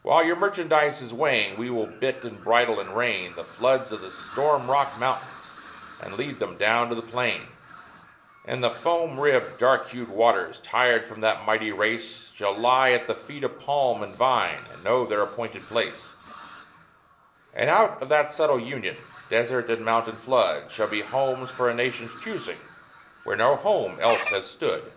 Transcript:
While your merchandise is weighing, we will bit and bridle and rein The floods of the storm rocked mountains and lead them down to the plain; And the foam ribbed, dark hued waters, tired from that mighty race, Shall lie at the feet of palm and vine and know their appointed place; And out of that subtle union, desert and mountain flood, Shall be homes for a nation's choosing, where no home else had stood.